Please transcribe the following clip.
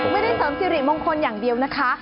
ไม่ได้เสริมสิริมงคลอย่างเดียวนะคะ